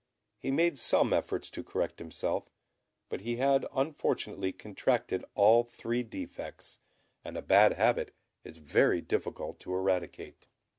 He made some efforts to correct himself, but he had unfortunately contracted all three defects; and a bad habit is very difficult to eradicate.